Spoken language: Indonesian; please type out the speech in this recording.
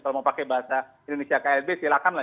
kalau ada indonesia klb silakan lah